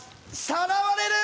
さらわれる！